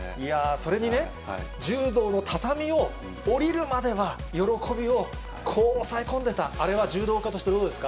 それに柔道の畳を下りるまでは喜びをこう抑え込んでた、あれは柔道家としてどうですか？